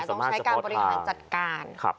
ต้องใช้การบริหารจัดการ